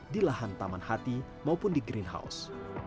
di lahan taman hati maupun di greenhouse